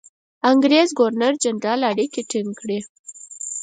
انګرېز ګورنرجنرال اړیکې ټینګ کړي.